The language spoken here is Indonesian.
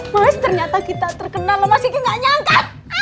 mas ternyata kita terkenal mas kiki gak nyangka